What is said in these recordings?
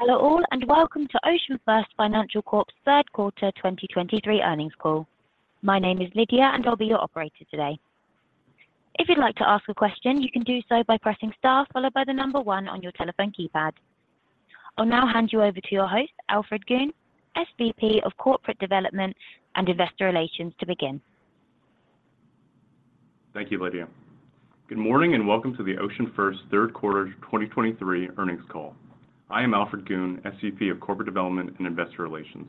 Hello all, and welcome to OceanFirst Financial Corp's third quarter 2023 earnings call. My name is Lydia, and I'll be your operator today. If you'd like to ask a question, you can do so by pressing star followed by the number one on your telephone keypad. I'll now hand you over to your host, Alfred Goon, SVP of Corporate Development and Investor Relations, to begin. Thank you, Lydia. Good morning, and welcome to the OceanFirst third quarter 2023 earnings call. I am Alfred Goon, SVP of Corporate Development and Investor Relations.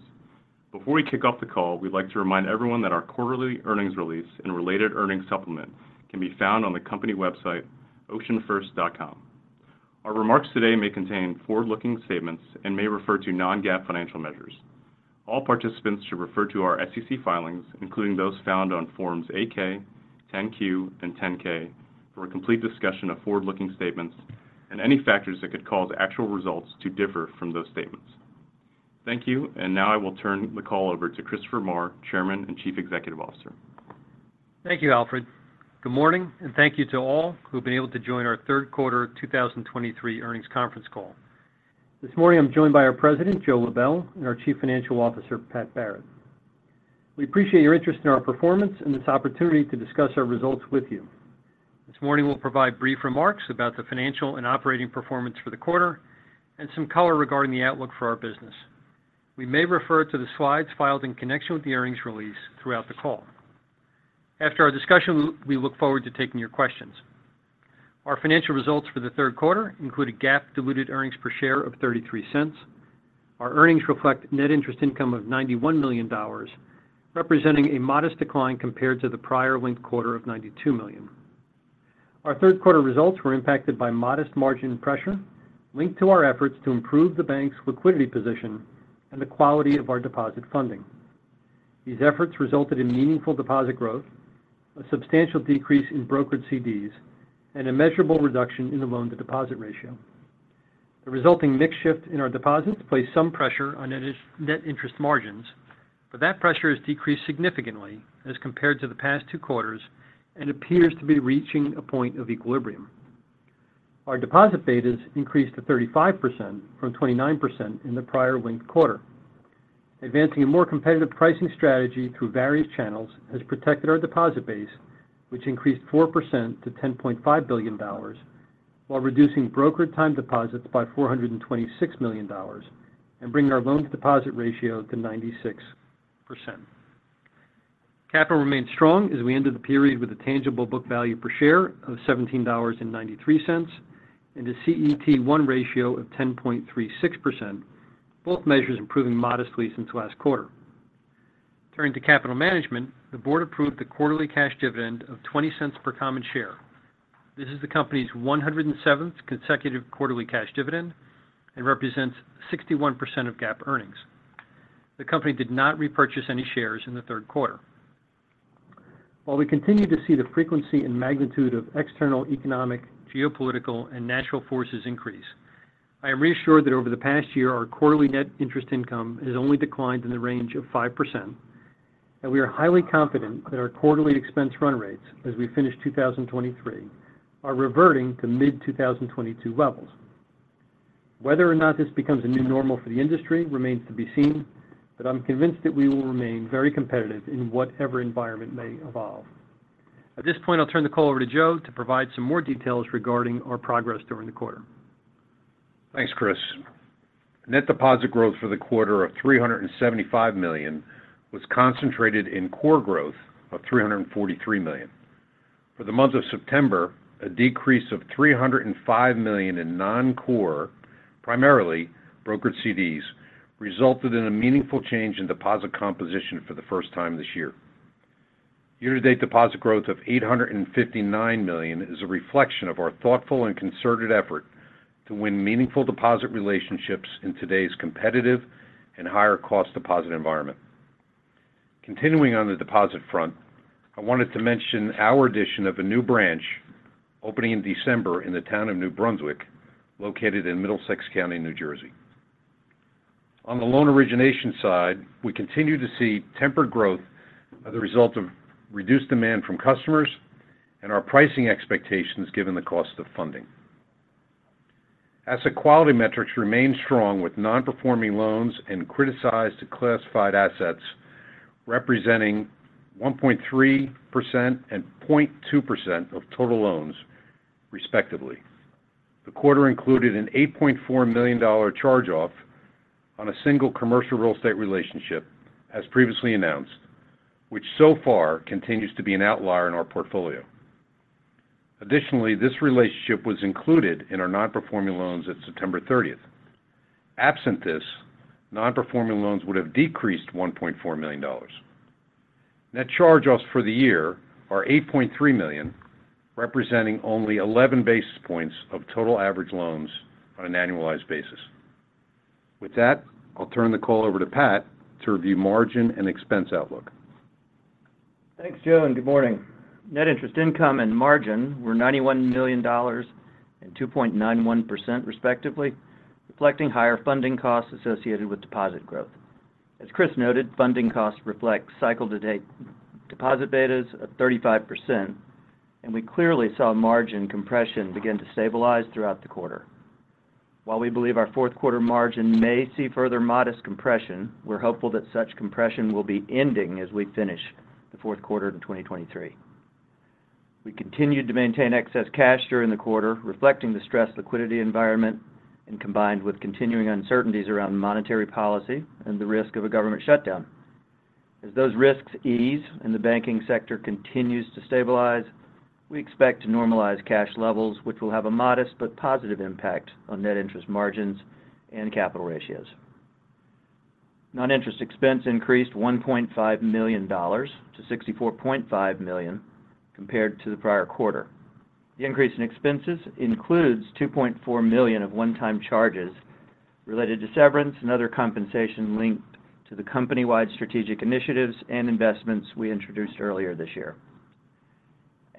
Before we kick off the call, we'd like to remind everyone that our quarterly earnings release and related earnings supplement can be found on the company website, oceanfirst.com. Our remarks today may contain forward-looking statements and may refer to non-GAAP financial measures. All participants should refer to our SEC filings, including those found on Forms 8-K, 10-Q, and 10-K, for a complete discussion of forward-looking statements and any factors that could cause actual results to differ from those statements. Thank you, and now I will turn the call over to Christopher Maher, Chairman and Chief Executive Officer. Thank you, Alfred. Good morning, and thank you to all who've been able to join our third quarter 2023 earnings conference call. This morning, I'm joined by our President, Joe Lebel, and our Chief Financial Officer, Pat Barrett. We appreciate your interest in our performance and this opportunity to discuss our results with you. This morning, we'll provide brief remarks about the financial and operating performance for the quarter and some color regarding the outlook for our business. We may refer to the slides filed in connection with the earnings release throughout the call. After our discussion, we look forward to taking your questions. Our financial results for the third quarter include a GAAP diluted earnings per share of $0.33. Our earnings reflect net interest income of $91 million, representing a modest decline compared to the prior linked quarter of $92 million. Our third quarter results were impacted by modest margin pressure linked to our efforts to improve the bank's liquidity position and the quality of our deposit funding. These efforts resulted in meaningful deposit growth, a substantial decrease in brokered CDs, and a measurable reduction in the loan-to-deposit ratio. The resulting mix shift in our deposits placed some pressure on net interest margins, but that pressure has decreased significantly as compared to the past two quarters and appears to be reaching a point of equilibrium. Our deposit betas increased to 35% from 29% in the prior linked quarter. Advancing a more competitive pricing strategy through various channels has protected our deposit base, which increased 4% to $10.5 billion while reducing brokered time deposits by $426 million and bringing our loan-to-deposit ratio to 96%. Capital remains strong as we ended the period with a tangible book value per share of $17.93 and a CET1 ratio of 10.36%, both measures improving modestly since last quarter. Turning to capital management, the Board approved the quarterly cash dividend of $0.20 per common share. This is the company's 107th consecutive quarterly cash dividend and represents 61% of GAAP earnings. The company did not repurchase any shares in the third quarter. While we continue to see the frequency and magnitude of external economic, geopolitical, and natural forces increase, I am reassured that over the past year, our quarterly net interest income has only declined in the range of 5%, and we are highly confident that our quarterly expense run rates as we finish 2023 are reverting to mid-2022 levels. Whether or not this becomes a new normal for the industry remains to be seen, but I'm convinced that we will remain very competitive in whatever environment may evolve. At this point, I'll turn the call over to Joe to provide some more details regarding our progress during the quarter. Thanks, Chris. Net deposit growth for the quarter of $375 million was concentrated in core growth of $343 million. For the month of September, a decrease of $305 million in non-core, primarily brokered CDs, resulted in a meaningful change in deposit composition for the first time this year. Year-to-date deposit growth of $859 million is a reflection of our thoughtful and concerted effort to win meaningful deposit relationships in today's competitive and higher-cost deposit environment. Continuing on the deposit front, I wanted to mention our addition of a new branch opening in December in the town of New Brunswick, located in Middlesex County, New Jersey. On the loan origination side, we continue to see tempered growth as a result of reduced demand from customers and our pricing expectations, given the cost of funding. Asset quality metrics remain strong, with non-performing loans and criticized classified assets representing 1.3% and 0.2% of total loans, respectively. The quarter included an $8.4 million charge-off on a single commercial real estate relationship, as previously announced, which so far continues to be an outlier in our portfolio. Additionally, this relationship was included in our non-performing loans at September 30th. Absent this, non-performing loans would have decreased $1.4 million. Net charge-offs for the year are $8.3 million, representing only 11 basis points of total average loans on an annualized basis. With that, I'll turn the call over to Pat to review margin and expense outlook. Thanks, Joe, and good morning. net interest income and margin were $91 million and 2.91%, respectively, reflecting higher funding costs associated with deposit growth. As Chris noted, funding costs reflect cycle-to-date deposit betas of 35%. We clearly saw margin compression begin to stabilize throughout the quarter. While we believe our fourth quarter margin may see further modest compression, we're hopeful that such compression will be ending as we finish the fourth quarter in 2023. We continued to maintain excess cash during the quarter, reflecting the stressed liquidity environment, and combined with continuing uncertainties around monetary policy and the risk of a government shutdown. As those risks ease and the banking sector continues to stabilize, we expect to normalize cash levels, which will have a modest but positive impact on net interest margins and capital ratios. Non-interest expense increased $1.5 million to $64.5 million compared to the prior quarter. The increase in expenses includes $2.4 million of one-time charges related to severance and other compensation linked to the company-wide strategic initiatives and investments we introduced earlier this year.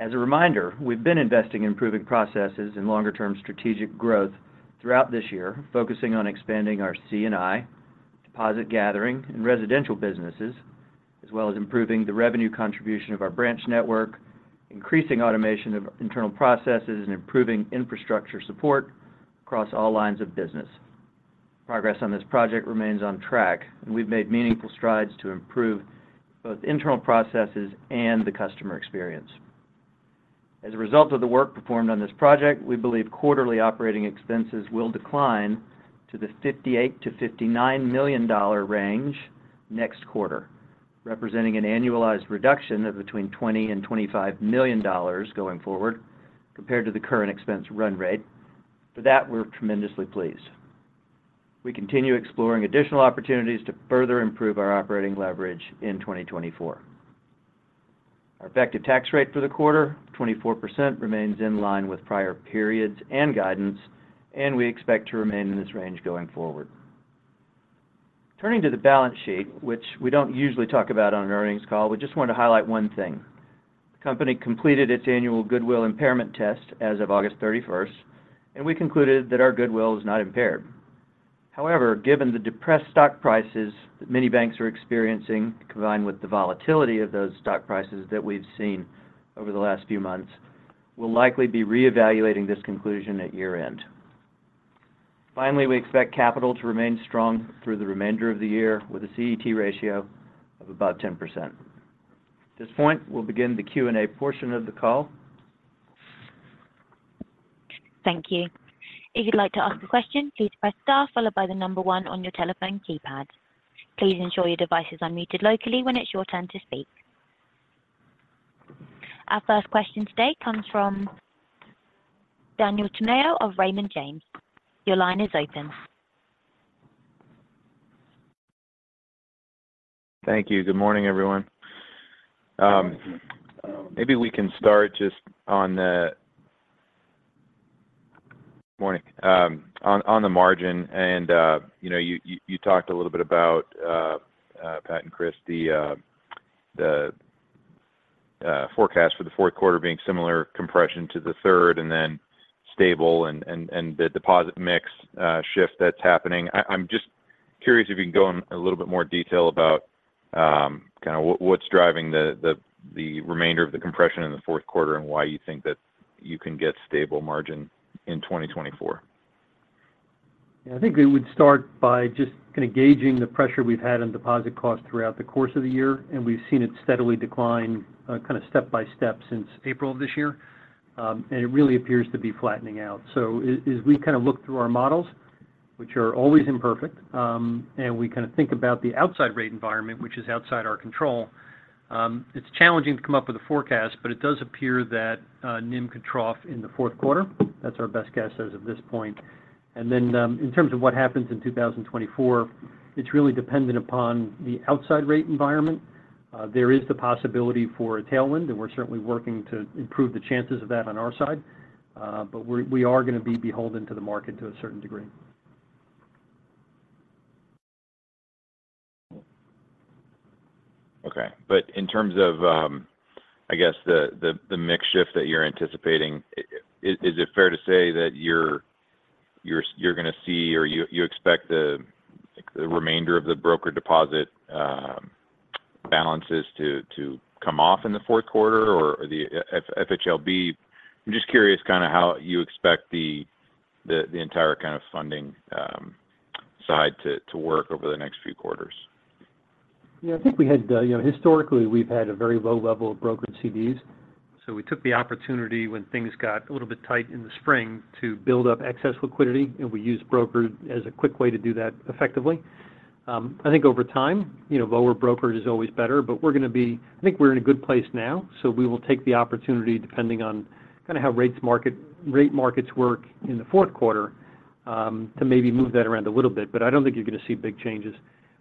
As a reminder, we've been investing in improving processes and longer-term strategic growth throughout this year, focusing on expanding our C&I, deposit gathering, and residential businesses, as well as improving the revenue contribution of our branch network, increasing automation of internal processes, and improving infrastructure support across all lines of business. Progress on this project remains on track, and we've made meaningful strides to improve both internal processes and the customer experience. As a result of the work performed on this project, we believe quarterly operating expenses will decline to the $58 million-$59 million range next quarter, representing an annualized reduction of between $20 million and $25 million going forward, compared to the current expense run rate. For that, we're tremendously pleased. We continue exploring additional opportunities to further improve our operating leverage in 2024. Our effective tax rate for the quarter, 24%, remains in line with prior periods and guidance, and we expect to remain in this range going forward. Turning to the balance sheet, which we don't usually talk about on an earnings call, we just want to highlight one thing. The company completed its annual goodwill impairment test as of August 31st, and we concluded that our goodwill is not impaired. However, given the depressed stock prices that many banks are experiencing, combined with the volatility of those stock prices that we've seen over the last few months, we'll likely be reevaluating this conclusion at year-end. Finally, we expect capital to remain strong through the remainder of the year with a CET ratio of about 10%. At this point, we'll begin the Q&A portion of the call. Thank you. If you'd like to ask a question, please press star followed by the number one on your telephone keypad. Please ensure your devices are muted locally when it's your turn to speak. Our first question today comes from Daniel Tamayo of Raymond James. Your line is open. Thank you. Good morning, everyone. Maybe we can start just on the margin and, you know, you talked a little bit about Pat and Chris, the forecast for the fourth quarter being similar compression to the third and then stable and the deposit mix shift that's happening. I'm just curious if you can go in a little bit more detail about kinda what's driving the remainder of the compression in the fourth quarter, and why you think that you can get stable margin in 2024? I think we would start by just kinda gauging the pressure we've had on deposit costs throughout the course of the year, and we've seen it steadily decline, kinda step by step since April of this year. It really appears to be flattening out. As we kind of look through our models, which are always imperfect, and we kind of think about the outside rate environment, which is outside our control, it's challenging to come up with a forecast, but it does appear that NIM could trough in the fourth quarter. That's our best guess as of this point. In terms of what happens in 2024, it's really dependent upon the outside rate environment. There is the possibility for a tailwind, and we're certainly working to improve the chances of that on our side. We are gonna be beholden to the market to a certain degree. Okay. In terms of, I guess, the mix shift that you're anticipating, is it fair to say that you're gonna see or you expect the remainder of the broker deposit balances to come off in the fourth quarter or the FHLB? I'm just curious kinda how you expect the entire kind of funding side to work over the next few quarters. Yeah, I think, you know, historically, we've had a very low level of brokered CDs, so we took the opportunity when things got a little bit tight in the spring to build up excess liquidity, and we used brokered as a quick way to do that effectively. I think over time, you know, lower brokered is always better, but I think we're in a good place now, so we will take the opportunity, depending on kinda how rate markets work in the fourth quarter, to maybe move that around a little bit, but I don't think you're going to see big changes.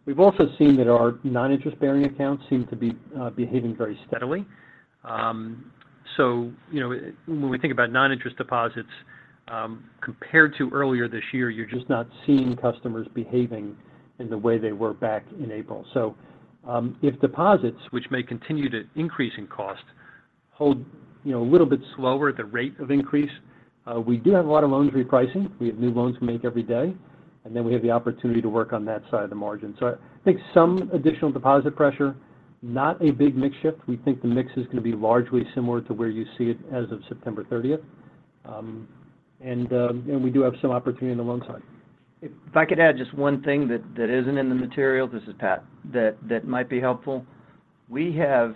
We've also seen that our non-interest-bearing accounts seem to be behaving very steadily. You know, when we think about non-interest deposits, compared to earlier this year, you're just not seeing customers behaving in the way they were back in April. If deposits, which may continue to increase in cost, hold, you know, a little bit slower at the rate of increase, we do have a lot of loans repricing. We have new loans we make every day. We have the opportunity to work on that side of the margin. I think some additional deposit pressure, not a big mix shift. We think the mix is going to be largely similar to where you see it as of September 30th. We do have some opportunity on the loan side. If I could add just one thing that isn't in the material, this is Pat, that might be helpful. We have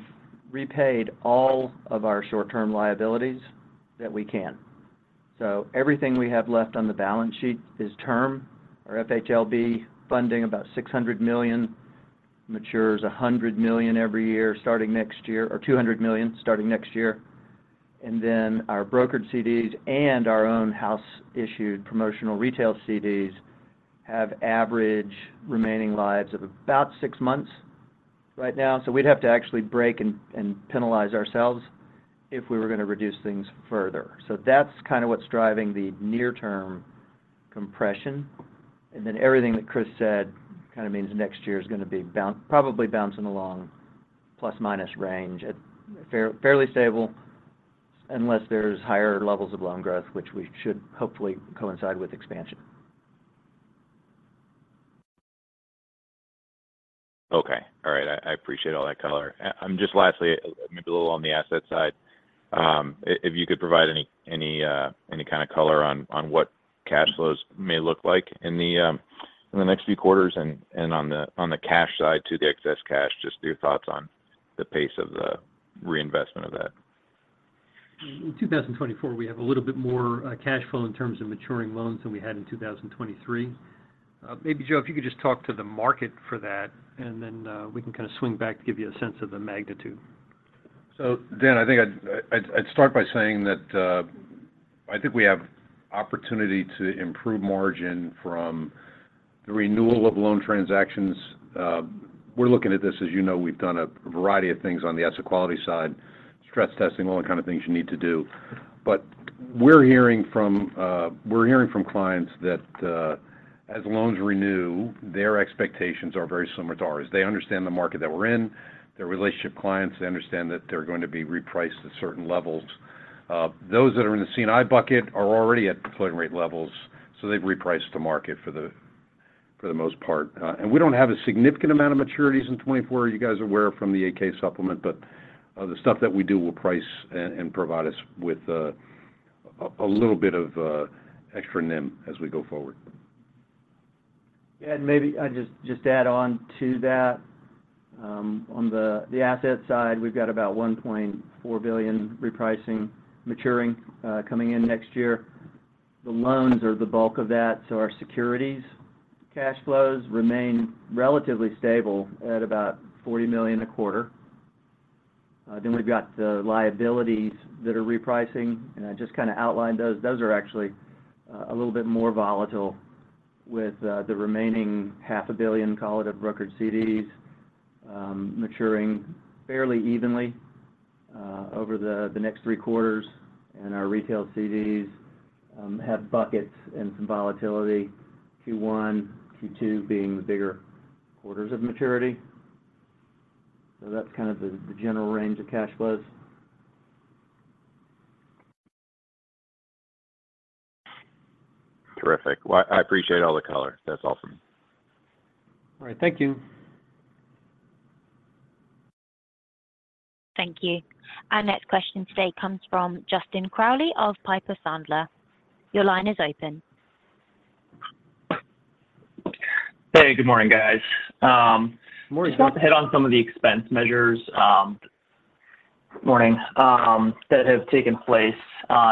repaid all of our short-term liabilities that we can. Everything we have left on the balance sheet is term. Our FHLB funding, about $600 million, matures $100 million every year, starting next year or $200 million, starting next year. Then our brokered CDs and our own house-issued promotional retail CDs have average remaining lives of about six months right now. We'd have to actually break and penalize ourselves if we were going to reduce things further. That's kind of what's driving the near-term compression. Everything that Chris said kind of means next year is going to be probably bouncing along ± range at fairly stable, unless there's higher levels of loan growth, which we should hopefully coincide with expansion. Okay. All right. I appreciate all that color. Just lastly, maybe a little on the asset side. Yeah. If you could provide any kind of color on what cash flows may look like in the next few quarters and on the cash side, to the excess cash, just your thoughts on the pace of the reinvestment of that? In 2024, we have a little bit more cash flow in terms of maturing loans than we had in 2023. Maybe, Joe, if you could just talk to the market for that, and then we can kind of swing back to give you a sense of the magnitude. Dan, I think I'd start by saying that I think we have opportunity to improve margin from the renewal of loan transactions. We're looking at this. As you know, we've done a variety of things on the asset quality side, stress testing, all the kind of things you need to do. But we're hearing from clients that as loans renew, their expectations are very similar to ours. They understand the market that we're in. They're relationship clients. They understand that they're going to be repriced at certain levels. Those that are in the C&I bucket are already at floating rate levels, so they've repriced the market for the most part. We don't have a significant amount of maturities in 2024. You guys are aware from the 8-K supplement, but the stuff that we do will price and provide us with a little bit of extra NIM as we go forward. And maybe I’ll just add on to that, on the asset side, we’ve got about $1.4 billion repricing, maturing, coming in next year. The loans are the bulk of that, so our securities cash flows remain relatively stable at about $40 million a quarter. Then we’ve got the liabilities that are repricing, and I just kind of outlined those. Those are actually a little bit more volatile, with the remaining half a billion, call it, of brokered CDs maturing fairly evenly over the next three quarters, and our retail CDs have buckets and some volatility, Q1, Q2 being the bigger quarters of maturity. So that’s kind of the general range of cash flows. Terrific. Well, I appreciate all the color. That's awesome. All right. Thank you. Thank you. Our next question today comes from Justin Crowley of Piper Sandler. Your line is open. Hey, good morning, guys. Morning- Just want to hit on some of the expense measures. Morning. That have taken place.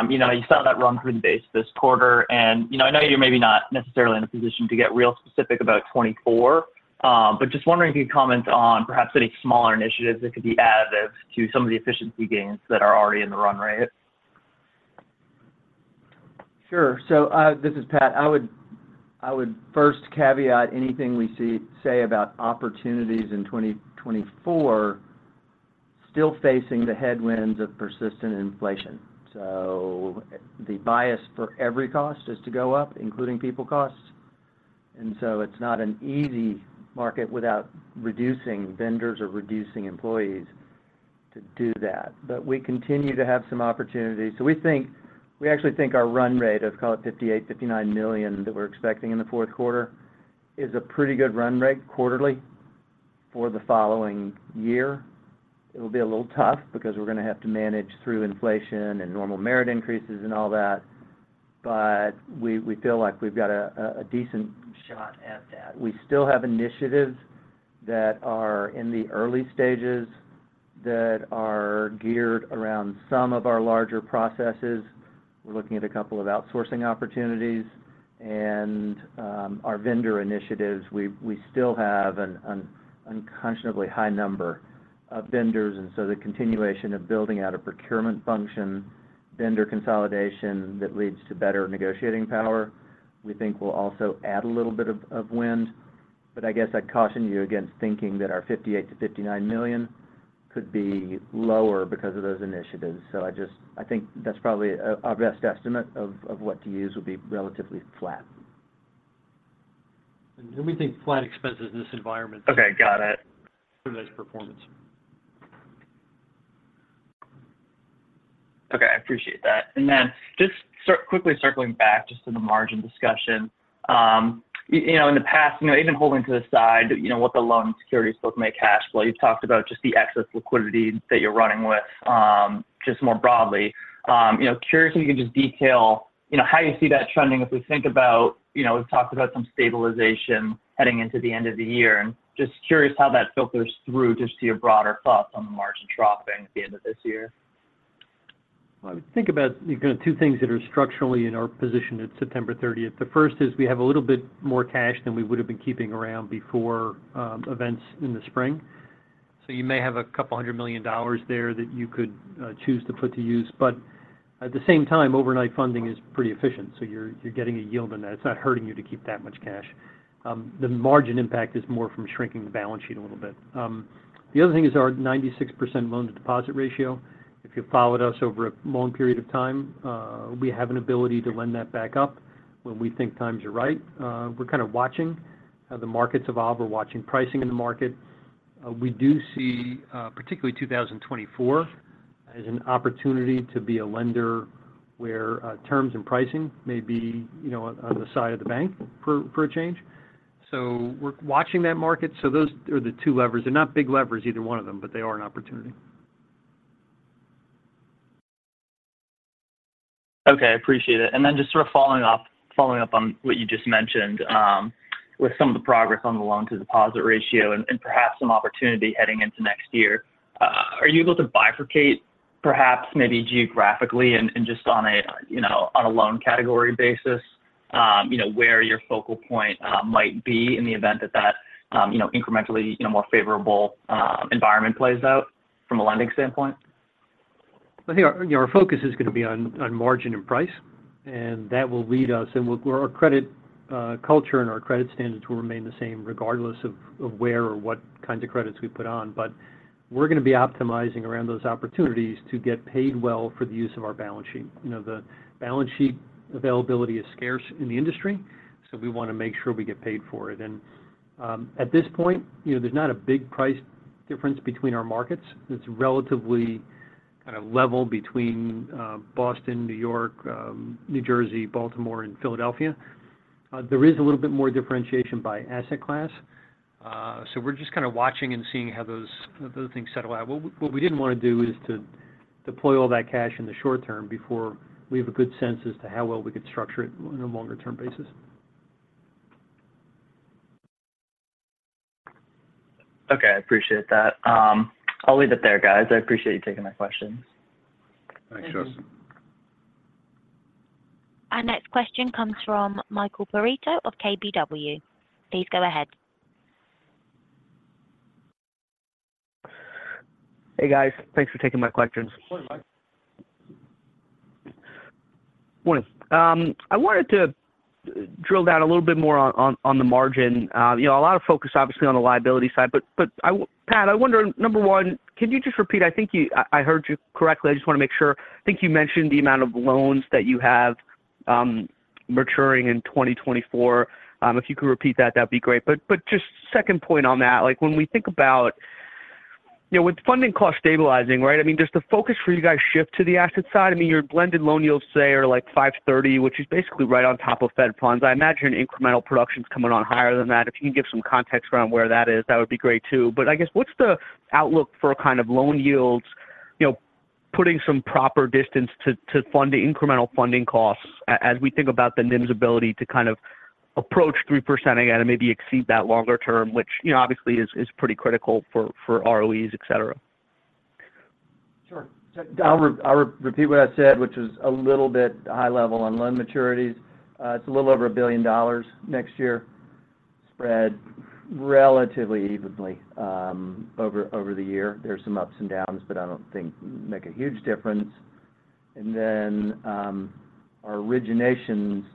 You know, you saw that run through the base this quarter, and, you know, I know you're maybe not necessarily in a position to get real specific about 2024, but just wondering if you could comment on perhaps any smaller initiatives that could be additive to some of the efficiency gains that are already in the run rate? Sure. This is Pat. I would first caveat anything we say about opportunities in 2024, still facing the headwinds of persistent inflation. The bias for every cost is to go up, including people costs. It's not an easy market without reducing vendors or reducing employees to do that. We continue to have some opportunities. We actually think our run rate of, call it $58 million-$59 million, that we're expecting in the fourth quarter, is a pretty good run rate quarterly for the following year. It'll be a little tough because we're going to have to manage through inflation and normal merit increases and all that, but we feel like we've got a decent shot at that. We still have initiatives that are in the early stages, that are geared around some of our larger processes. We're looking at a couple of outsourcing opportunities and our vendor initiatives. We still have an unconscionably high number of vendors, and so the continuation of building out a procurement function, vendor consolidation that leads to better negotiating power, we think will also add a little bit of wind. I guess I'd caution you against thinking that our $58 million-$59 million could be lower because of those initiatives. I think that's probably our best estimate of what to use would be relatively flat. We think flat expenses in this environment. Okay, got it. Pretty nice performance. I appreciate that. Just quickly circling back just to the margin discussion. You know, in the past, you know, even holding to the side, you know, what the loan securities folks make cash flow, you've talked about just the excess liquidity that you're running with just more broadly. You know, curious if you can just detail, you know, how you see that trending as we think about, you know, we've talked about some stabilization heading into the end of the year. Just curious how that filters through, just to your broader thoughts on the margin dropping at the end of this year. Well, I would think about, you know, two things that are structurally in our position at September 30th. The first is we have a little bit more cash than we would have been keeping around before events in the spring. You may have $200 million there that you could choose to put to use, but at the same time, overnight funding is pretty efficient, so you're getting a yield on that. It's not hurting you to keep that much cash. The margin impact is more from shrinking the balance sheet a little bit. The other thing is our 96% loan-to-deposit ratio. If you've followed us over a long period of time, we have an ability to lend that back up when we think times are right. We're kind of watching how the markets evolve. We're watching pricing in the market. We do see, particularly 2024 as an opportunity to be a lender where terms and pricing may be, you know, on the side of the bank for a change. We're watching that market. Those are the two levers. They're not big levers, either one of them, but they are an opportunity. Okay, I appreciate it. Just sort of following up on what you just mentioned with some of the progress on the loan-to-deposit ratio and perhaps some opportunity heading into next year, are you able to bifurcate, perhaps, maybe geographically and just on a, you know, loan category basis, you know, where your focal point might be in the event that that, you know, incrementally, you know, more favorable environment plays out from a lending standpoint? I think our, you know, our focus is going to be on margin and price, and that will lead us. Our credit culture and our credit standards will remain the same regardless of where or what kinds of credits we put on. We're going to be optimizing around those opportunities to get paid well for the use of our balance sheet. You know, the balance sheet availability is scarce in the industry, so we want to make sure we get paid for it. At this point, you know, there's not a big price difference between our markets. It's relatively kind of level between Boston, New York, New Jersey, Baltimore, and Philadelphia. There is a little bit more differentiation by asset class. We're just kind of watching and seeing how those things settle out. What we didn't want to do is to deploy all that cash in the short term before we have a good sense as to how well we could structure it on a longer-term basis. Okay. I appreciate that. I'll leave it there, guys. I appreciate you taking my questions. Thanks, Justin. Our next question comes from Michael Perito of KBW. Please go ahead. Hey, guys. Thanks for taking my questions. Morning, Mike. Morning. I wanted to drill down a little bit more on the margin. You know, a lot of focus, obviously, on the liability side, but, Pat, I wonder, number one, can you just repeat? I think you, I heard you correctly. I just want to make sure. I think you mentioned the amount of loans that you have maturing in 2024. If you could repeat that, that'd be great. Just second point on that, like, when we think about, you know, with funding costs stabilizing, right, I mean, does the focus for you guys shift to the asset side? I mean, your blended loan yields today are, like, 5.30%, which is basically right on top of Fed funds. I imagine incremental production is coming on higher than that. If you can give some context around where that is, that would be great, too. I guess, what's the outlook for kind of loan yields, you know, putting some proper distance to fund the incremental funding costs as we think about the NIM's ability to kind of approach 3% again and maybe exceed that longer term, which, you know, obviously is pretty critical for ROEs, et cetera? Sure. I'll repeat what I said, which is a little bit high level on loan maturities. It's a little over $1 billion next year, spread relatively evenly over the year. There are some ups and downs, but I don't think make a huge difference. Our originations,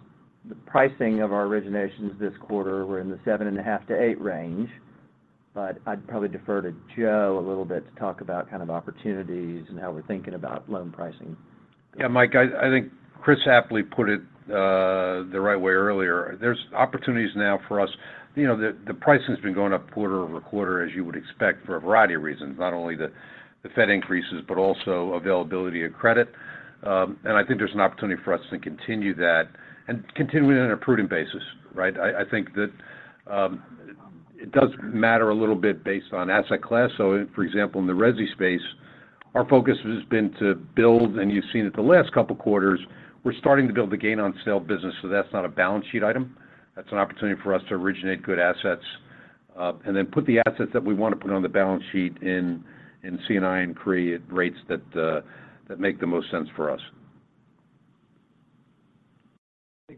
the pricing of our originations this quarter were in the 7.5-8 range, but I'd probably defer to Joe a little bit to talk about kind of opportunities and how we're thinking about loan pricing. Yeah, Mike, I think Chris aptly put it the right way earlier. There's opportunities now for us. You know, the pricing has been going up quarter-over-quarter, as you would expect for a variety of reasons, not only the Fed increases, but also availability of credit. I think there's an opportunity for us to continue that and continue it on a prudent basis, right? I think that it does matter a little bit based on asset class. For example, in the resi space, our focus has been to build, and you've seen it the last couple of quarters, we're starting to build the gain on sale business, so that's not a balance sheet item. That's an opportunity for us to originate good assets and then put the assets that we want to put on the balance sheet in C&I and CRE at rates that make the most sense for us.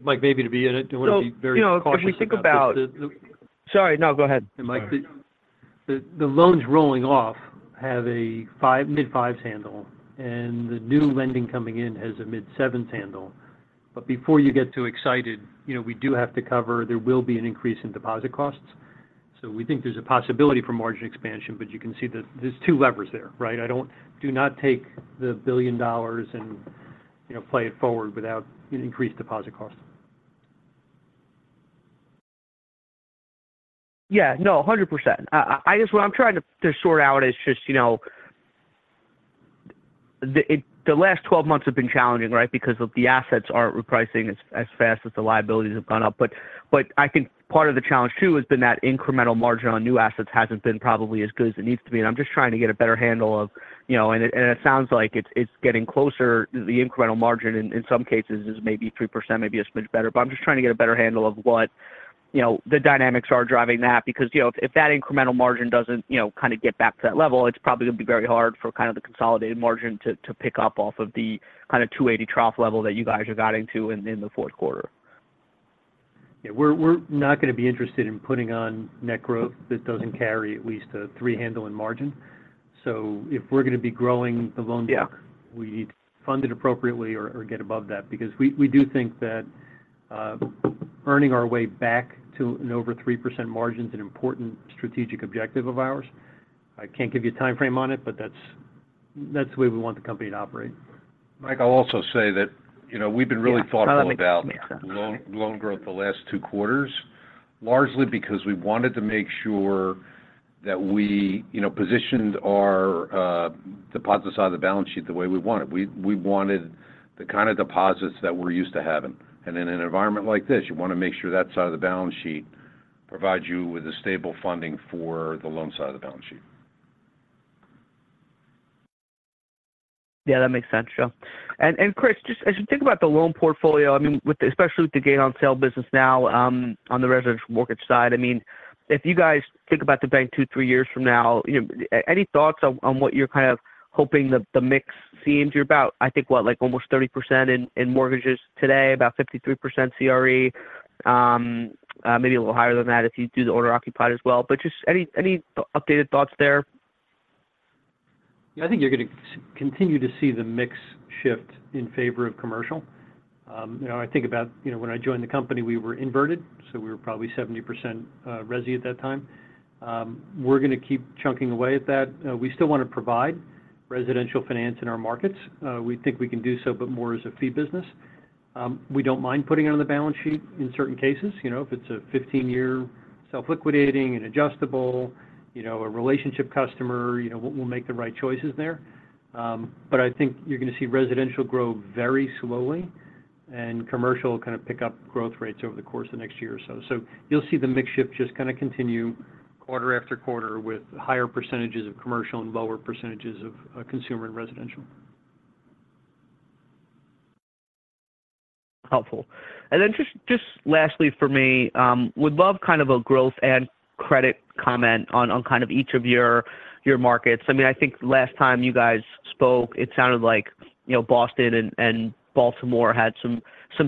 Mike, maybe to be in it, I want to be very cautious about. If we think about. Sorry. No, go ahead. Mike, the loans rolling off have a 5, mid-5s handle, and the new lending coming in has a mid-7s handle. Before you get too excited, you know, we do have to cover, there will be an increase in deposit costs. We think there's a possibility for margin expansion, but you can see that there's two levers there, right? Do not take the $1 billion and, you know, play it forward without increased deposit costs. Yeah, no, 100%. I guess what I'm trying to sort out is just, you know, the last 12 months have been challenging, right? Because of the assets aren't repricing as fast as the liabilities have gone up. But I think part of the challenge too, has been that incremental margin on new assets hasn't been probably as good as it needs to be. I'm just trying to get a better handle of, you know, and it sounds like it's getting closer. The incremental margin in some cases is maybe 3%, maybe a smidge better. But I'm just trying to get a better handle of what, you know, the dynamics are driving that. Because, you know, if that incremental margin doesn't, you know, kind of get back to that level, it's probably going to be very hard for kind of the consolidated margin to pick up off of the kind of 2.80 trough level that you guys got into in the fourth quarter. Yeah. We're not going to be interested in putting on net growth that doesn't carry at least a 3 handle in margin. If we're going to be growing the loan deck- Yeah We need to fund it appropriately or get above that. Because we do think that earning our way back to an over 3% margin is an important strategic objective of ours. I can't give you a time frame on it, but that's the way we want the company to operate. Mike, I'll also say that, you know, we've been really thoughtful. Yeah, that makes sense. About loan growth the last two quarters, largely because we wanted to make sure that we, you know, positioned our deposit side of the balance sheet the way we wanted. We wanted the kind of deposits that we're used to having. In an environment like this, you want to make sure that side of the balance sheet provides you with a stable funding for the loan side of the balance sheet. Yeah, that makes sense, Joe. Chris, just as you think about the loan portfolio, I mean, especially with the gain on sale business now on the residential mortgage side, I mean, if you guys think about the bank 2-3 years from now, you know, any thoughts on what you're kind of hoping the mix seems? You're about, I think, what? Like almost 30% in mortgages today, about 53% CRE, maybe a little higher than that if you do the owner-occupied as well. Just any updated thoughts there? Yeah, I think you're going to continue to see the mix shift in favor of commercial. You know, I think about, you know, when I joined the company, we were inverted, so we were probably 70% resi at that time. We're going to keep chunking away at that. We still want to provide residential finance in our markets. We think we can do so, but more as a fee business. We don't mind putting it on the balance sheet in certain cases. You know, if it's a 15-year self-liquidating, an adjustable, you know, a relationship customer, you know, we'll make the right choices there. I think you're going to see residential grow very slowly, and commercial kind of pick up growth rates over the course of the next year or so. You'll see the mix shift just kind of continue quarter after quarter, with higher percentages of commercial and lower percentages of consumer and residential. Helpful. Just lastly for me, would love kind of a growth and credit comment on kind of each of your markets. I mean, I think last time you guys spoke, it sounded like, you know, Boston and Baltimore had some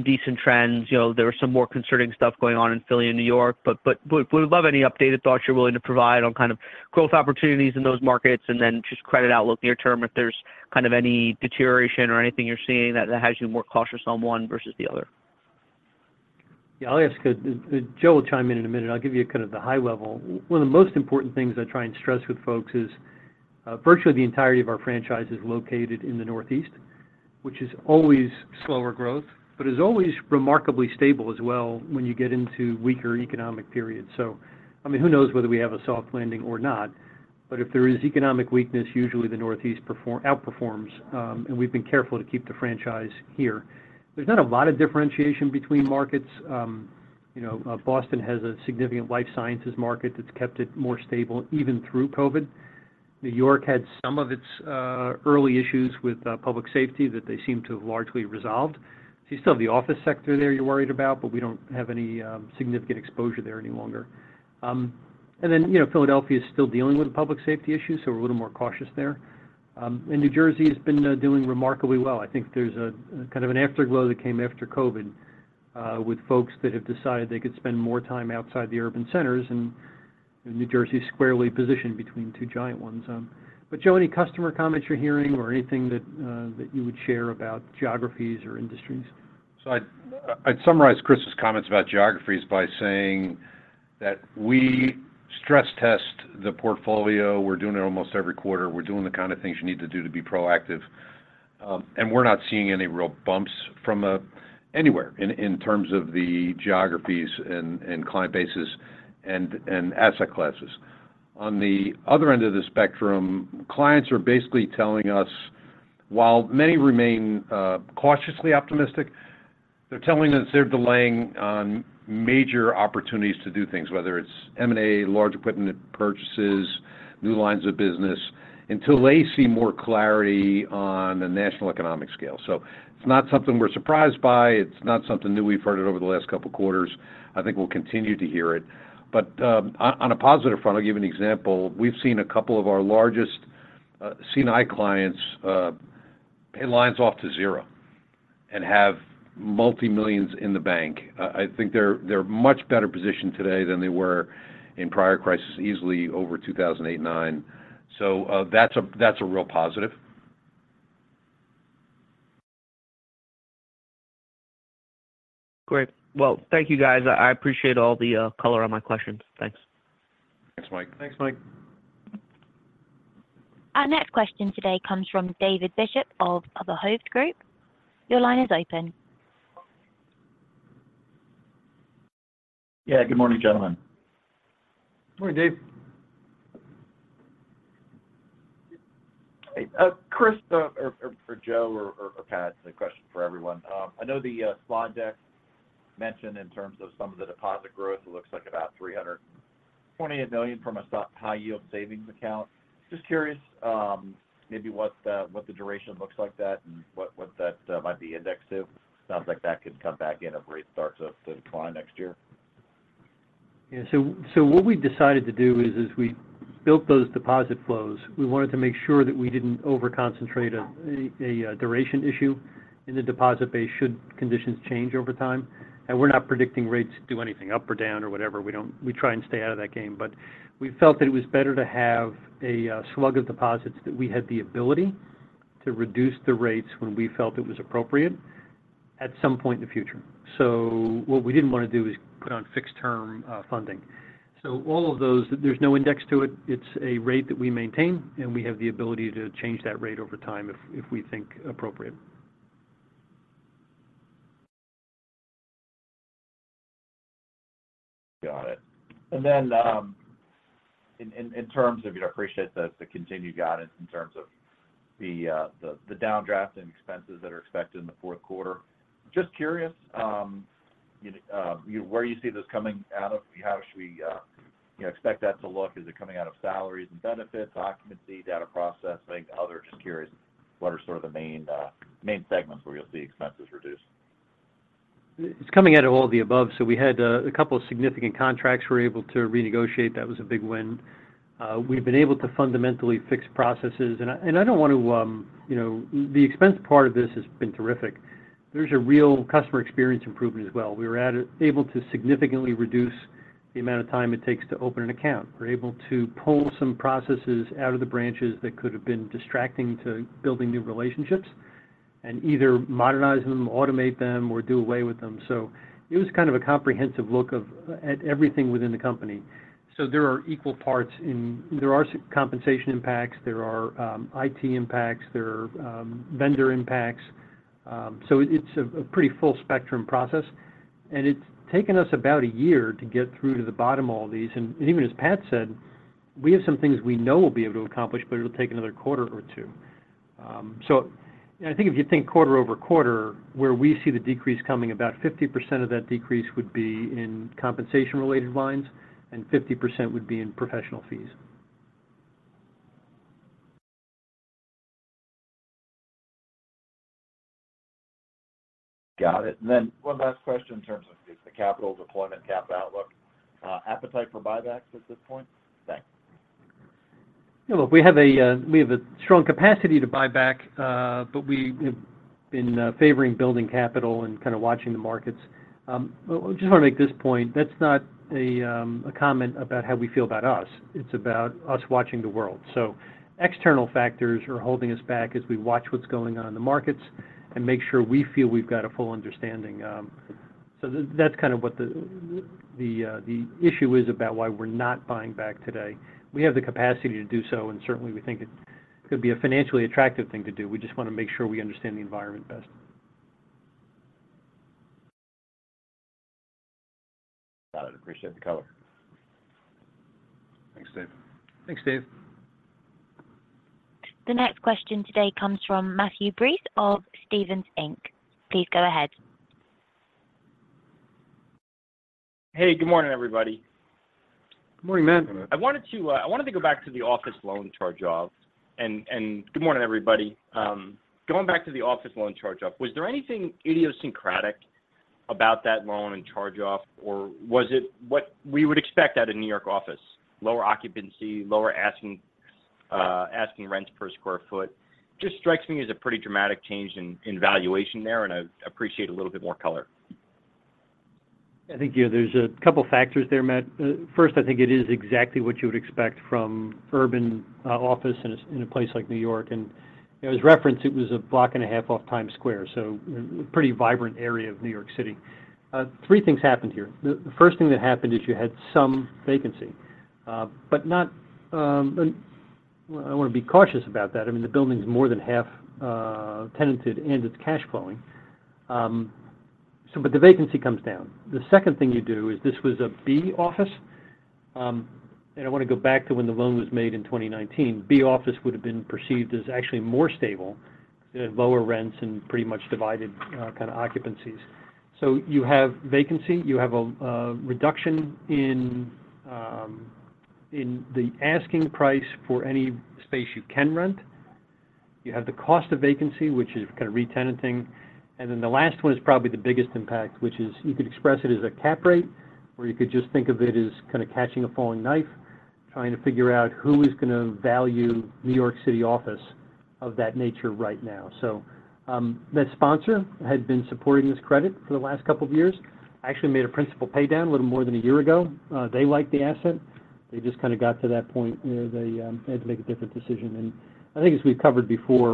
decent trends. You know, there were some more concerning stuff going on in Philly and New York, but would love any updated thoughts you're willing to provide on kind of growth opportunities in those markets, and then just credit outlook near term, if there's kind of any deterioration or anything you're seeing that has you more cautious on one versus the other. Yeah, Joe will chime in in a minute. I'll give you kind of the high level. One of the most important things I try and stress with folks is virtually the entirety of our franchise is located in the Northeast, which is always slower growth, but is always remarkably stable as well when you get into weaker economic periods. I mean, who knows whether we have a soft landing or not, but if there is economic weakness, usually the Northeast outperforms, and we've been careful to keep the franchise here. There's not a lot of differentiation between markets. You know, Boston has a significant life sciences market that's kept it more stable, even through COVID. New York had some of its early issues with public safety that they seem to have largely resolved. You still have the office sector there you're worried about, but we don't have any significant exposure there any longer. You know, Philadelphia is still dealing with public safety issues, so we're a little more cautious there. New Jersey has been doing remarkably well. I think there's a kind of an afterglow that came after COVID with folks that have decided they could spend more time outside the urban centers, and New Jersey is squarely positioned between two giant ones. Joe, any customer comments you're hearing or anything that you would share about geographies or industries? I'd summarize Chris's comments about geographies by saying that we stress test the portfolio. We're doing it almost every quarter. We're doing the kind of things you need to do to be proactive, and we're not seeing any real bumps from anywhere in terms of the geographies and client bases and asset classes. On the other end of the spectrum, clients are basically telling us, while many remain cautiously optimistic, they're telling us they're delaying on major opportunities to do things, whether it's M&A, large equipment purchases, new lines of business, until they see more clarity on the national economic scale. It's not something we're surprised by. It's not something new. We've heard it over the last couple of quarters. I think we'll continue to hear it. On a positive front, I'll give you an example. We've seen a couple of our largest C&I clients pay lines off to zero and have multimillions in the bank. I think they're much better positioned today than they were in prior crisis, easily over 2008-2009. That's a real positive. Great. Well, thank you, guys. I appreciate all the color on my questions. Thanks. Thanks, Mike. Thanks, Mike. Our next question today comes from David Bishop of the Hovde Group. Your line is open. Yeah. Good morning, gentlemen. Morning, Dave. Hey, Chris, or for Joe or Pat, it's a question for everyone. I know the slide deck mentioned in terms of some of the deposit growth, it looks like about $328 million from a stock high yield savings account. Just curious, maybe what the duration looks like that, and what that might be indexed to? Sounds like that could come back in if rates start to decline next year. Yeah. What we decided to do is, as we built those deposit flows, we wanted to make sure that we didn't over-concentrate on any duration issue in the deposit base, should conditions change over time. We're not predicting rates to do anything up or down or whatever. We try and stay out of that game. We felt that it was better to have a slug of deposits that we had the ability to reduce the rates when we felt it was appropriate at some point in the future. What we didn't want to do is put on fixed-term funding. All of those, there's no index to it. It's a rate that we maintain, and we have the ability to change that rate over time if we think appropriate. Got it. In terms of, you know, I appreciate the continued guidance in terms of the downdraft and expenses that are expected in the fourth quarter. Just curious, you know, where you see this coming out of? How should we, you know, expect that to look? Is it coming out of salaries and benefits, occupancy, data processing, other? Just curious, what are sort of the main segments where you'll see expenses reduced? It's coming out of all the above. We had a couple of significant contracts we were able to renegotiate. That was a big win. We've been able to fundamentally fix processes. You know, the expense part of this has been terrific. There's a real customer experience improvement as well. We were able to significantly reduce the amount of time it takes to open an account. We're able to pull some processes out of the branches that could have been distracting to building new relationships and either modernize them, automate them, or do away with them. It was kind of a comprehensive look at everything within the company. There are equal parts, there are compensation impacts, there are I.T. impacts, there are vendor impacts. It's a pretty full-spectrum process, and it's taken us about a year to get through to the bottom of all these. Even as Pat said, we have some things we know we'll be able to accomplish, but it'll take another quarter or two. I think if you think quarter-over-quarter, where we see the decrease coming, about 50% of that decrease would be in compensation-related lines, and 50% would be in professional fees. Got it. One last question in terms of just the capital deployment, cap outlook, appetite for buybacks at this point? Thanks. Yeah, look, we have a strong capacity to buy back, but we have been favoring building capital and kind of watching the markets. Just want to make this point: That's not a comment about how we feel about us. It's about us watching the world. External factors are holding us back as we watch what's going on in the markets and make sure we feel we've got a full understanding. That's kind of what the issue is about why we're not buying back today. We have the capacity to do so, and certainly, we think it could be a financially attractive thing to do. We just want to make sure we understand the environment best. Got it. Appreciate the color. Thanks, Dave. Thanks, Dave. The next question today comes from Matthew Breese of Stephens Inc. Please go ahead. Hey, good morning, everybody. Good morning, Matt. Good morning. I wanted to go back to the office loan charge-off. Good morning, everybody. Going back to the office loan charge-off, was there anything idiosyncratic about that loan and charge-off, or was it what we would expect at a New York office, lower occupancy, lower asking rents per sq ft? Just strikes me as a pretty dramatic change in valuation there, and I'd appreciate a little bit more color. I think, yeah, there’s a couple factors there, Matt. First, I think it is exactly what you would expect from urban offices in a place like New York City, and as referenced, it was a block and a half off Times Square, so pretty vibrant area of New York City. Three things happened here. The first thing that happened is you had some vacancy, but not — I want to be cautious about that. I mean, the building is more than half tenanted and it’s cash flowing. So, but the vacancy comes down. The second thing you do is this was a B office, and I want to go back to when the loan was made in 2019. B office would have been perceived as actually more stable. It had lower rents and pretty much divided kind of occupancies. You have vacancy, you have a reduction in the asking price for any space you can rent. You have the cost of vacancy, which is kind of re-tenanting. The last one is probably the biggest impact, which is you could express it as a cap rate, or you could just think of it as kind of catching a falling knife, trying to figure out who is going to value New York City office of that nature right now. That sponsor had been supporting this credit for the last couple of years, actually made a principal pay down a little more than a year ago. They liked the asset. They just kind of got to that point where they had to make a different decision. I think as we've covered before,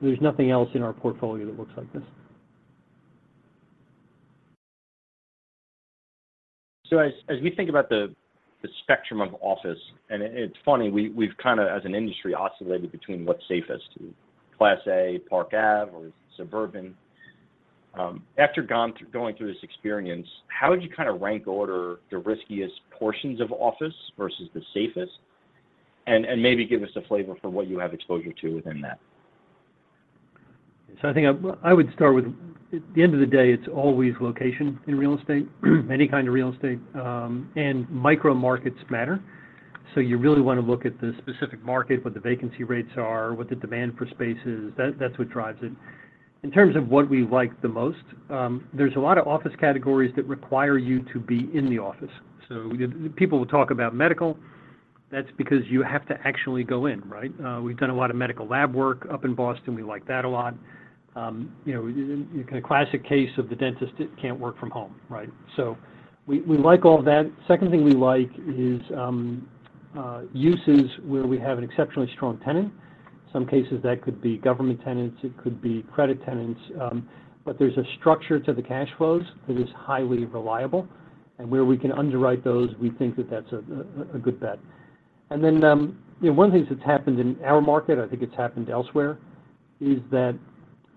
there's nothing else in our portfolio that looks like this. As we think about the spectrum of office, and it's funny, we've kind of, as an industry, oscillated between what's safest: Class A, Park Avenue or suburban. After going through this experience, how would you kind of rank order the riskiest portions of office versus the safest? Maybe give us a flavor for what you have exposure to within that. I think I would start with, at the end of the day, it's always location in real estate, any kind of real estate, and micro-markets matter. You really want to look at the specific market, what the vacancy rates are, what the demand for space is. That's what drives it. In terms of what we like the most, there's a lot of office categories that require you to be in the office. The people will talk about medical, that's because you have to actually go in, right? We've done a lot of medical lab work up in Boston. We like that a lot. You know, a classic case of the dentist, it can't work from home, right? We like all of that. Second thing we like is uses where we have an exceptionally strong tenant. Some cases that could be government tenants, it could be credit tenants, but there's a structure to the cash flows that is highly reliable. Where we can underwrite those, we think that that's a good bet. You know, one of the things that's happened in our market, I think it's happened elsewhere, is that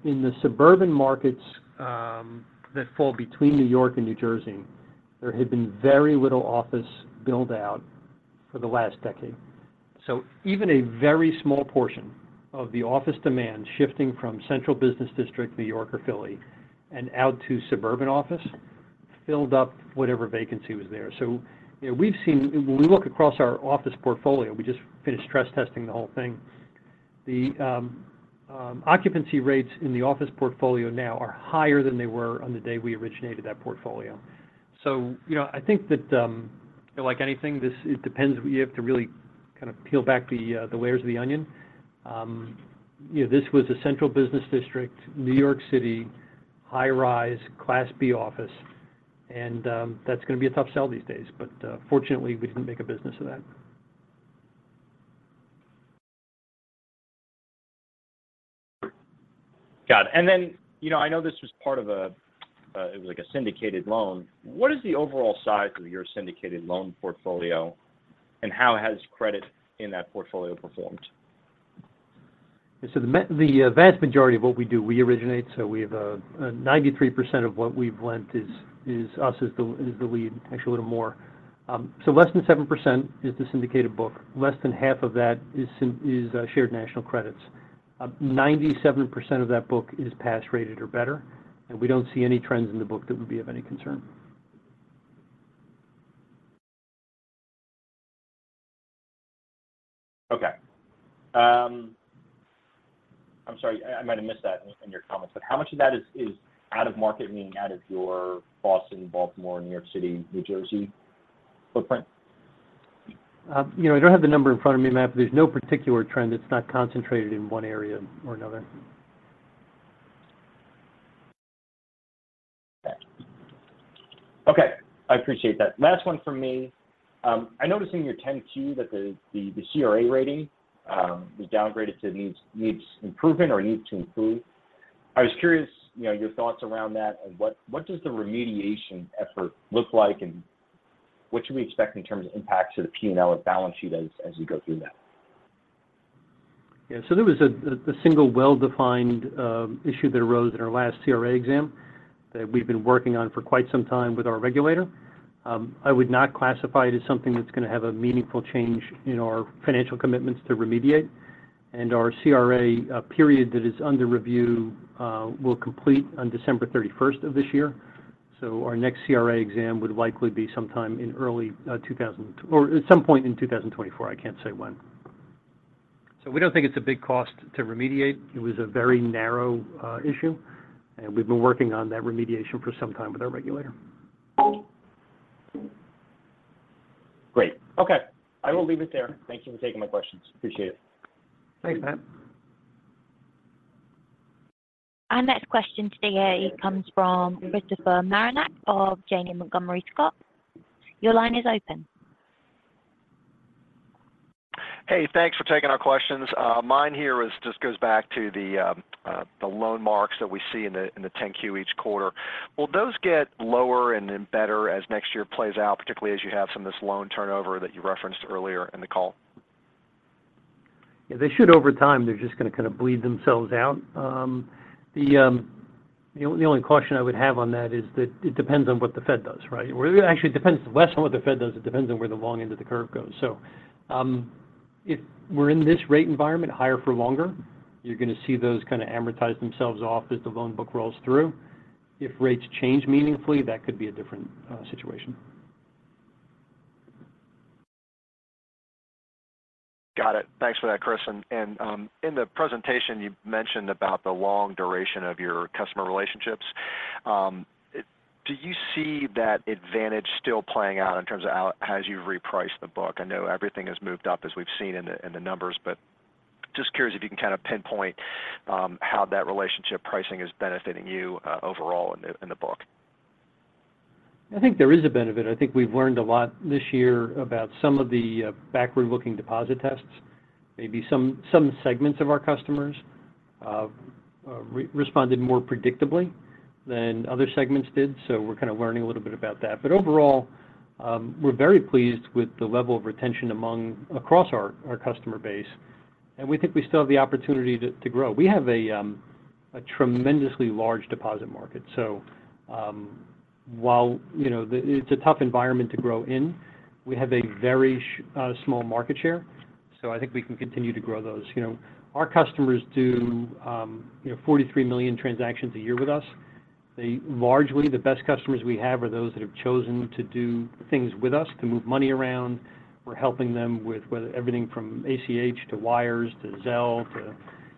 in the suburban markets that fall between New York and New Jersey, there had been very little office build-out for the last decade. Even a very small portion of the office demand shifting from central business district, New York or Philly, and out to suburban office, filled up whatever vacancy was there. You know, we've seen when we look across our office portfolio, we just finished stress testing the whole thing. The occupancy rates in the office portfolio now are higher than they were on the day we originated that portfolio. You know, I think that, like anything, it depends, you have to really kind of peel back the layers of the onion. You know, this was a central business district, New York City, high-rise, Class B office, and that's going to be a tough sell these days. Fortunately, we didn't make a business of that. Got it. You know, I know this was part of a, it was like a syndicated loan. What is the overall size of your syndicated loan portfolio, and how has credit in that portfolio performed? The vast majority of what we do, we originate. 93% of what we've lent is us, is the lead, actually a little more. Less than 7% is the syndicated book. Less than half of that is shared national credits. 97% of that book is pass-rated or better, and we don't see any trends in the book that would be of any concern. Okay. I'm sorry, I might have missed that in your comments. How much of that is out of market, meaning out of your Boston, Baltimore, New York City, New Jersey footprint? You know, I don't have the number in front of me, Matt, but there's no particular trend that's not concentrated in one area or another. Okay. I appreciate that. Last one from me. I noticed in your 10-Q that the CRA rating was downgraded to needs improvement or needs to improve. I was curious, you know, your thoughts around that and what does the remediation effort look like, and what should we expect in terms of impacts to the P&L and balance sheet as you go through that? Yeah. There was a single well-defined issue that arose in our last CRA exam that we've been working on for quite some time with our regulator. I would not classify it as something that's going to have a meaningful change in our financial commitments to remediate. Our CRA period that is under review will complete on December 31st of this year. Our next CRA exam would likely be sometime in early or at some point in 2024. I can't say when. We don't think it's a big cost to remediate. It was a very narrow issue, and we've been working on that remediation for some time with our regulator. Great. Okay, I will leave it there. Thank you for taking my questions. Appreciate it. Thanks, Matt. Our next question today comes from Christopher Marinac of Janney Montgomery Scott. Your line is open. Hey, thanks for taking our questions. Mine here just goes back to the loan marks that we see in the 10-Q each quarter. Will those get lower and then better as next year plays out, particularly as you have some of this loan turnover that you referenced earlier in the call? Yeah, they should over time. They're just going to kind of bleed themselves out. The only caution I would have on that is that it depends on what the Fed does, right? Well, it actually depends less on what the Fed does. It depends on where the long end of the curve goes. If we're in this rate environment higher for longer, you're going to see those kind of amortize themselves off as the loan book rolls through. If rates change meaningfully, that could be a different situation. Got it. Thanks for that, Chris. In the presentation, you mentioned about the long duration of your customer relationships. Do you see that advantage still playing out in terms of how, as you've repriced the book? I know everything has moved up, as we've seen in the numbers, but just curious if you can kind of pinpoint how that relationship pricing is benefiting you overall in the book. I think there is a benefit. I think we've learned a lot this year about some of the backward-looking deposit tests, maybe some segments of our customers responded more predictably than other segments did, so we're kind of learning a little bit about that. Overall, we're very pleased with the level of retention across our customer base, and we think we still have the opportunity to grow. We have a tremendously large deposit market, so while, you know, it's a tough environment to grow in, we have a very small market share, so I think we can continue to grow those. You know, our customers do, you know, 43 million transactions a year with us. Largely, the best customers we have are those that have chosen to do things with us, to move money around. We're helping them with everything from ACH to wires to Zelle.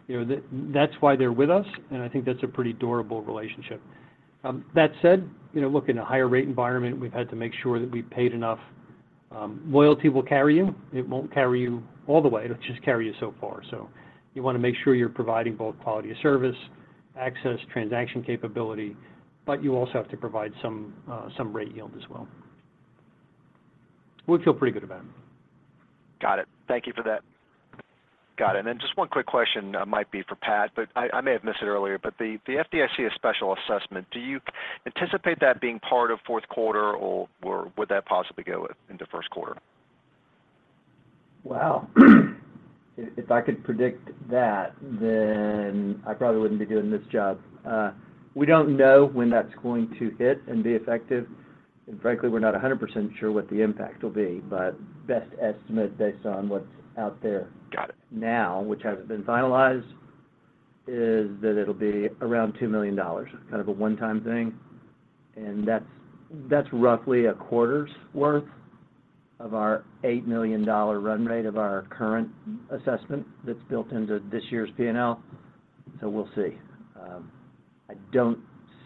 You know, that's why they're with us, and I think that's a pretty durable relationship. That said, you know, look, in a higher rate environment, we've had to make sure that we've paid enough. Loyalty will carry you. It won't carry you all the way. It'll just carry you so far. You want to make sure you're providing both quality of service, access, transaction capability, but you also have to provide some rate yield as well. We feel pretty good about it. Got it. Thank you for that. Got it. Just one quick question, might be for Pat. I may have missed it earlier, but the FDIC has special assessment. Do you anticipate that being part of fourth quarter, or would that possibly go into first quarter? Wow! If I could predict that, then I probably wouldn't be doing this job. We don't know when that's going to hit and be effective, and frankly, we're not 100% sure what the impact will be, but best estimate based on what's out there. Got it Now, which hasn't been finalized, is that it'll be around $2 million. Kind of a one-time thing, and that's roughly a quarter's worth of our $8 million run rate of our current assessment that's built into this year's P&L, so we'll see. I don't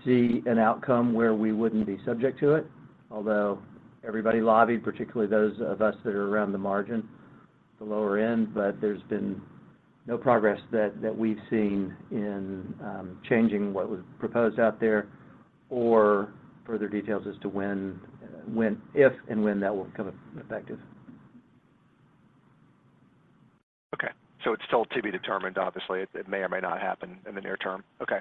see an outcome where we wouldn't be subject to it, although everybody lobbied, particularly those of us that are around the margin, the lower end. There's been no progress that we've seen in changing what was proposed out there or further details as to if and when that will become effective. Okay, so it's still to be determined, obviously. It may or may not happen in the near term. Okay.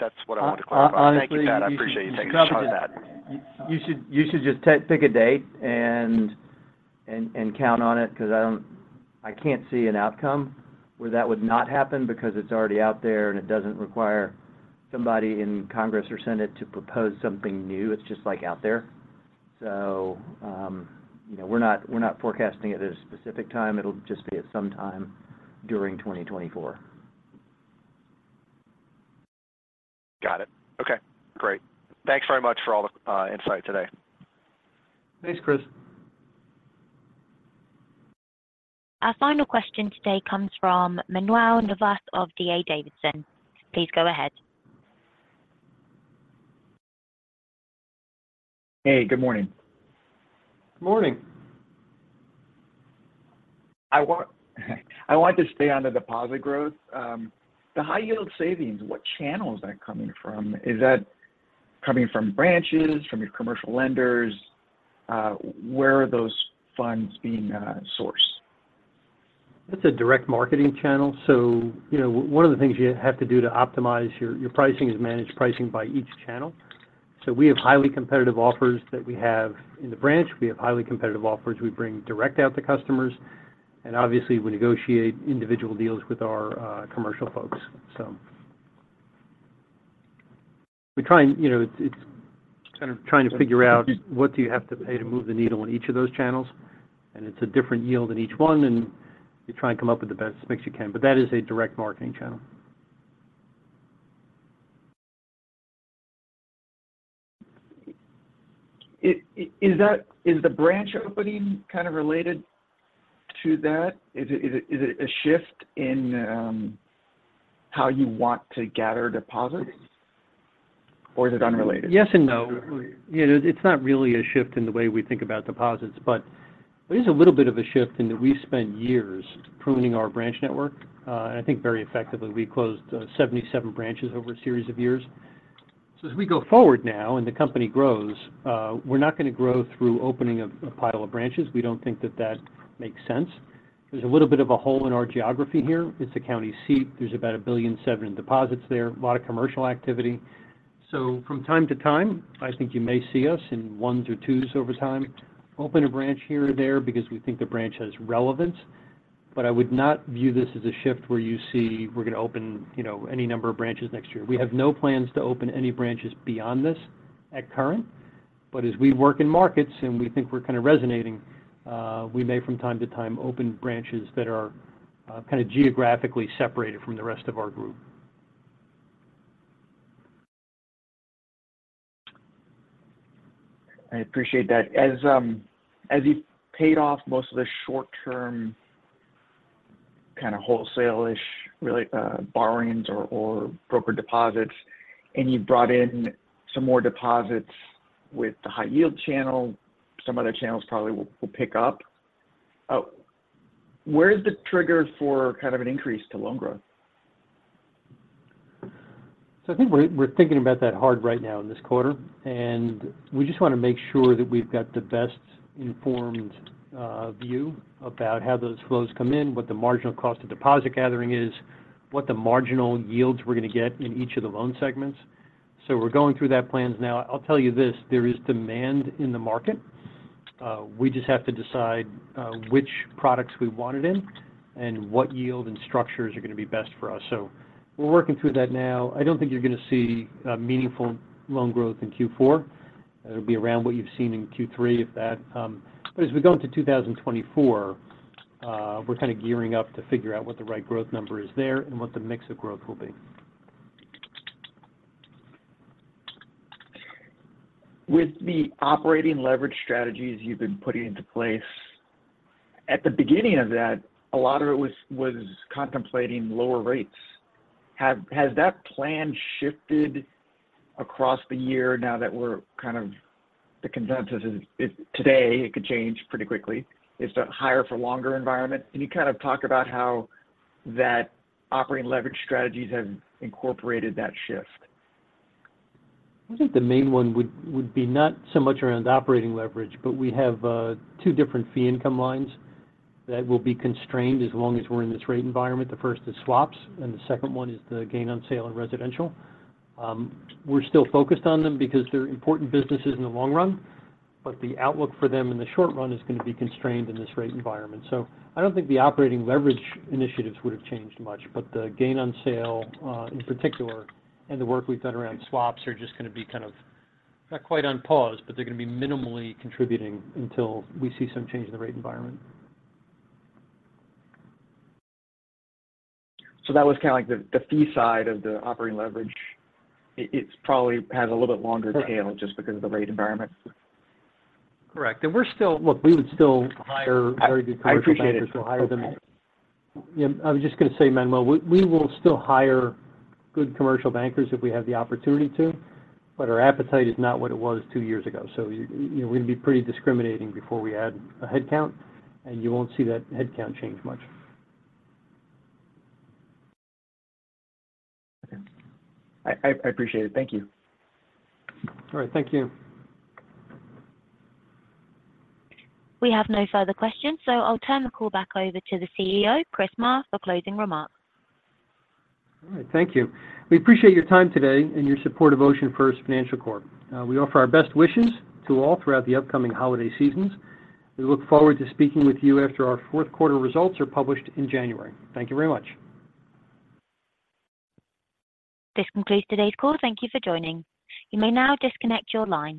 That's what I wanted to clarify. Honestly- Thank you, Pat. I appreciate you taking a shot at it. You should just pick a date and count on it, 'cause I can't see an outcome where that would not happen because it's already out there, and it doesn't require somebody in Congress or Senate to propose something new. It's just, like, out there. You know, we're not forecasting it at a specific time. It'll just be at some time during 2024. Got it. Okay, great. Thanks very much for all the insight today. Thanks, Chris. Our final question today comes from Manuel Navas of D.A. Davidson. Please go ahead. Hey, good morning. Good morning. I want to stay on the deposit growth. The high-yield savings, what channel is that coming from? Is that coming from branches, from your commercial lenders? Where are those funds being sourced? That's a direct marketing channel, so you know, one of the things you have to do to optimize your pricing is manage pricing by each channel. We have highly competitive offers that we have in the branch. We have highly competitive offers we bring direct out to customers, and obviously, we negotiate individual deals with our commercial folks. We're trying, you know, it's kind of trying to figure out what do you have to pay to move the needle in each of those channels, and it's a different yield in each one, and you try and come up with the best mix you can. That is a direct marketing channel. Is the branch opening kind of related to that? Is it a shift in how you want to gather deposits, or is it unrelated? Yes and no. You know, it's not really a shift in the way we think about deposits, but it is a little bit of a shift in that we've spent years pruning our branch network and I think very effectively. We closed 77 branches over a series of years. As we go forward now and the company grows, we're not going to grow through opening up a pile of branches. We don't think that that makes sense. There's a little bit of a hole in our geography here. It's a county seat. There's about $1.7 billion in deposits there, a lot of commercial activity. From time to time, I think you may see us, in ones or twos over time, open a branch here or there because we think the branch has relevance. I would not view this as a shift where you see we're going to open, you know, any number of branches next year. We have no plans to open any branches beyond this at current, but as we work in markets and we think we're kind of resonating, we may from time to time open branches that are kind of geographically separated from the rest of our group. I appreciate that. As you've paid off most of the short-term, kind of, wholesale-ish, really, borrowings or brokered deposits, and you've brought in some more deposits with the high-yield channel, some other channels probably will pick up. Where is the trigger for kind of an increase to loan growth? I think we're thinking about that hard right now in this quarter, and we just want to make sure that we've got the best-informed view about how those flows come in, what the marginal cost of deposit gathering is, what the marginal yields we're going to get in each of the loan segments. We're going through that plans now. I'll tell you this, there is demand in the market. We just have to decide which products we want it in and what yield and structures are going to be best for us. We're working through that now. I don't think you're going to see meaningful loan growth in Q4. It'll be around what you've seen in Q3, if that. As we go into 2024, we're kind of gearing up to figure out what the right growth number is there and what the mix of growth will be. With the operating leverage strategies you've been putting into place, at the beginning of that, a lot of it was contemplating lower rates. Has that plan shifted across the year now that the consensus is today? It could change pretty quickly. It's a higher-for-longer environment. Can you kind of talk about how that operating leverage strategies have incorporated that shift? I think the main one would be not so much around operating leverage, but we have two different fee income lines that will be constrained as long as we're in this rate environment. The first is swaps, and the second one is the gain on sale and residential. We're still focused on them because they're important businesses in the long run, but the outlook for them in the short run is going to be constrained in this rate environment. I don't think the operating leverage initiatives would have changed much, but the gain on sale in particular and the work we've done around swaps are just going to be kind of, not quite on pause, but they're going to be minimally contributing until we see some change in the rate environment. That was kind of like the fee side of the operating leverage. It's probably has a little bit longer tail. Correct. Just because of the rate environment. Correct. Look, we would still hire very good commercial bankers. I appreciate it. Yeah. I was just going to say, Manuel, we will still hire good commercial bankers if we have the opportunity to, but our appetite is not what it was two years ago. We're going to be pretty discriminating before we add a headcount, and you won't see that headcount change much. Okay. I appreciate it. Thank you. All right. Thank you. We have no further questions, so I'll turn the call back over to the CEO, Chris Maher, for closing remarks. All right. Thank you. We appreciate your time today and your support of OceanFirst Financial Corp. We offer our best wishes to all throughout the upcoming holiday seasons. We look forward to speaking with you after our fourth quarter results are published in January. Thank you very much. This concludes today's call. Thank you for joining. You may now disconnect your line.